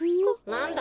なんだ？